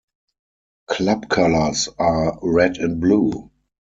Club colours are red and blue.